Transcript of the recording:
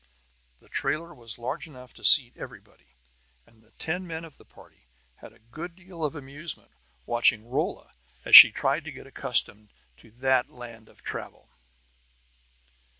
The trailer was large enough to seat everybody; and the ten men of the party had a good deal of amusement watching Rolla as she tried to get accustomed to that land of travel.